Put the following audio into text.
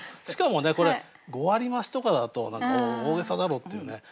しかもねこれ「五割増し」とかだと何か大げさだろっていうね。